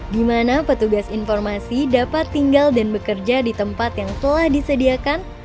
di mana petugas informasi dapat tinggal dan bekerja di tempat yang telah disediakan